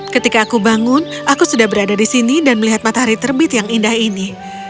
ketika aku bangun aku sudah berada di sini dan melihat matahari terbit yang indah ini